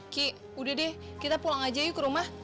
ki udah deh kita pulang aja yuk ke rumah